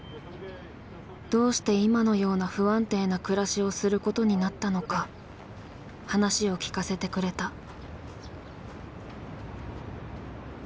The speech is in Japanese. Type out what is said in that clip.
どうして今のような不安定な暮らしをすることになったのか話を聞かせてくれた。